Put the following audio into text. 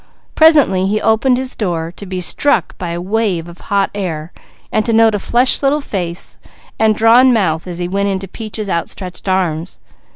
Presently he opened his door, to be struck by a wave of hot air and to note a flushed little face and drawn mouth as he went into Peaches' outstretched arms.